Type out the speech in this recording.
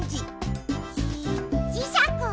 じじしゃく！